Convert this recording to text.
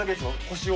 腰を。